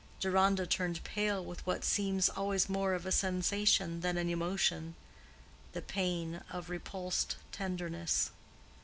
Deronda turned pale with what seems always more of a sensation than an emotion—the pain of repulsed tenderness.